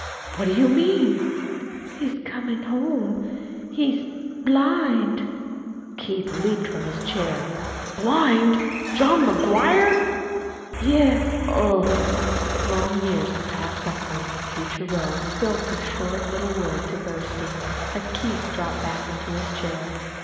"What do you mean?" "He's coming home. He's blind." Keith leaped from his chair. "BLIND? JOHN McGUIRE?" "Yes." "Oh h h!" Long years of past suffering and of future woe filled the short little word to bursting, as Keith dropped back into his chair.